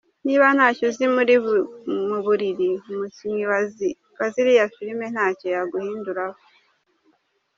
Niba ntacyo uzi mu buriri, umukinnyi wa ziriya filimi ntacyo yaguhinduraho.